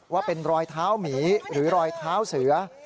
ว่าเป็นรอยเท้าหมีหรือรอยเท้าเสือ